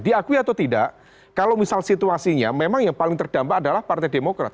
diakui atau tidak kalau misal situasinya memang yang paling terdampak adalah partai demokrat